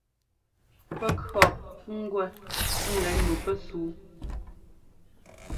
Pɛ́ kʉ̈ɔ ŋ́gwɛ ŋ́gɛ nu pɛsúu...